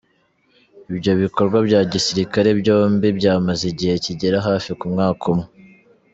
Ibyo bikorwa bya gisirikare byombi byamaze igihe kigera hafi ku mwaka umwe.